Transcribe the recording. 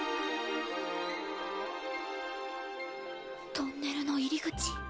トンネルの入り口